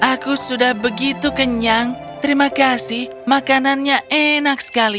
aku sudah begitu kenyang terima kasih makanannya enak sekali